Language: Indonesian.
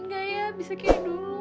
mungkin gak ya bisa kayak dulu